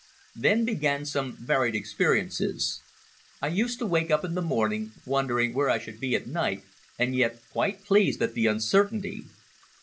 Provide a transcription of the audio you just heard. Then began some varied experiences. I used to wake up in the morning, wondering where I should be at night, and yet quite pleased at the uncertainty.